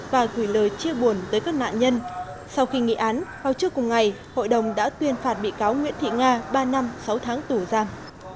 và gửi lời chia buồn tới các nạn nhân sau khi nghị án vào trước cùng ngày hội đồng đã tuyên phạt bị cáo nguyễn thị nga ba năm sáu tháng tù giam